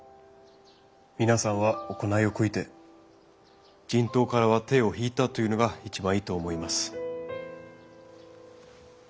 皆さんは行いを悔いて人痘からは手を引いたというのが一番いいと思います。